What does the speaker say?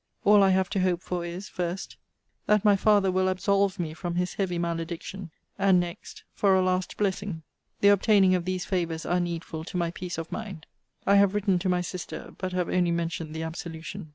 All I have to hope for is, first, that my father will absolve me from his heavy malediction: and next, for a last blessing. The obtaining of these favours are needful to my peace of mind. I have written to my sister; but have only mentioned the absolution.